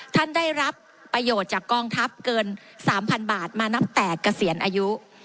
ท่านได้รับประโยชน์จากกองทัพเกิน๓๐๐๐บาทมานับแต่เกษียณอายุ